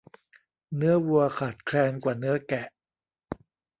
เนื้อวัวขาดแคลนกว่าเนื้อแกะ